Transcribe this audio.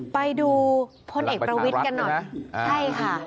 ไปดูพลเอ็กต์ประวิทธ์กันหน่อย